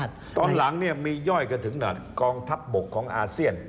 ตอนหลังมีย่อยกันถึงเงินกองทัพบกของอาเซียน